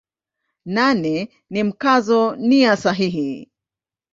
Nane ni Mkazo nia sahihi.